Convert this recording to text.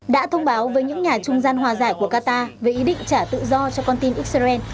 đã thông báo với những nhà trung gian hòa giải của qatar về ý định trả tự do cho con tin israel